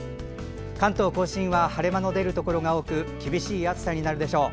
関東・甲信は晴れ間の出るところが多く厳しい暑さになるでしょう。